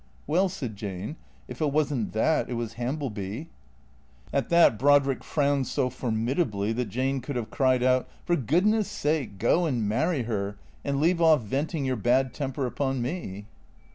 " Well," said Jane, " if it was n't that it was Hambleby." At that Brodrick frowned so formidably that Jane could have cried out, " For goodness' sake go and marry her and leave off venting your bad temper upon me."